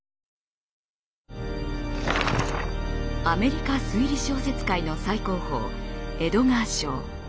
アメリカ推理小説界の最高峰エドガー賞。